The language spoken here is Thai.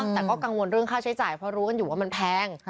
แต่ก็กังวลเรื่องค่าใช้จ่ายเพราะรู้กันอยู่ว่ามันแพง